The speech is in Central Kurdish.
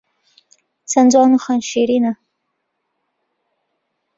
چەن جوان و خوێن شیرینە